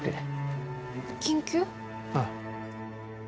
ああ。